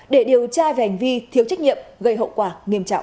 để điều tra về hành vi thiếu trách nhiệm gây hậu quả nghiêm trọng